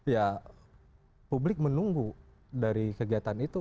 ya publik menunggu dari kegiatan itu